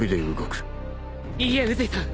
いいえ宇髄さん！